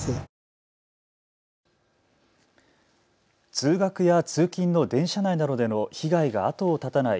通学や通勤の電車内などでの被害が後を絶たない